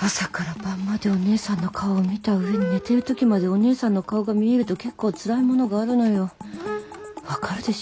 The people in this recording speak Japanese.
朝から晩までお姉さんの顔を見た上に寝てる時までお姉さんの顔が見えると結構ツラいものがあるのよ分かるでしょ？